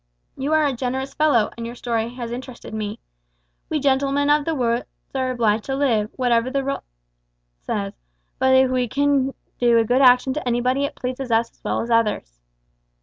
You are a generous fellow, and your story has interested me. We gentlemen of the woods are obliged to live, whatever the law says; but if we can do a good action to anybody it pleases us as well as others."